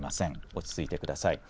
落ち着いてください。